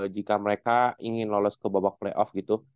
jika mereka ingin lolos ke babak playoff gitu